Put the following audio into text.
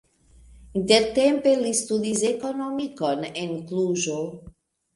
Intertempe li studis ekonomikon en Kluĵo.